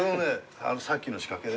あのさっきの仕掛けで。